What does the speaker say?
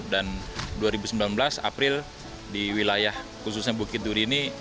dan dua ribu sembilan belas april di wilayah khususnya bukit duri ini